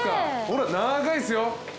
ほら長いっすよ。